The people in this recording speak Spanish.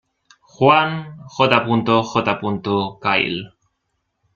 Juan J. J. Kyle".